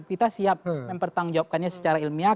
kita siap mempertanggung jawabkannya secara ilmiah